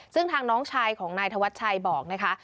ซึ่งทางน้องชายของนายธวัชชัยบอกนะคะ